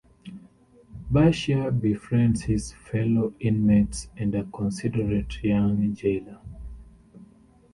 Basheer befriends his fellow-inmates and a considerate young jailor.